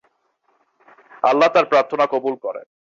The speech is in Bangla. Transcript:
আল্লাহ্ তাঁর প্রার্থনা কবুল করেন।